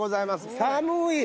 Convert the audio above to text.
寒い。